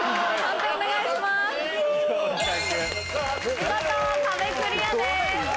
見事壁クリアです。